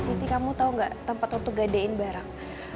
siti kamu tau gak tempat untuk gadein barang